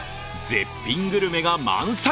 絶品グルメが満載！